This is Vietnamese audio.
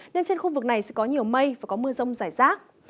nên trên khu vực này sẽ có nhiều mây và có mưa rông rải rác